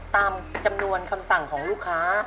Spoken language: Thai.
ตามจำนวนคำสั่งของลูกค้า